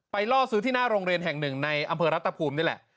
ล่อซื้อที่หน้าโรงเรียนแห่งหนึ่งในอำเภอรัตภูมินี่แหละ